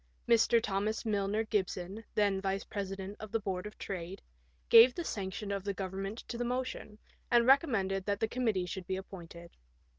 Mr. Thomas Milner Gibson, then Vice President of the Board of Trade, gave the sanction of the Govern ment to the motion, and recommended that the committee should be appointed.